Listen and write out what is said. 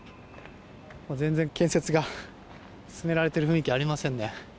全然建設が進められている雰囲気ありませんね。